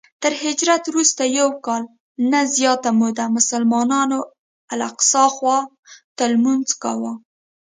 تر هجرت وروسته یو کال نه زیاته موده مسلمانانو الاقصی خواته لمونځ کاوه.